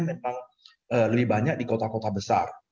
lebih banyak di kota kota besar